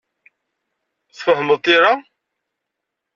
Tfehmeḍ tira?